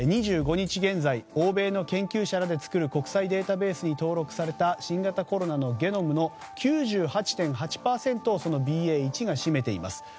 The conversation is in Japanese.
２５日現在欧米の研究者らで作る国際データベースに登録された新型コロナのゲノムの９８．８％をそのＢＡ．１が占めています。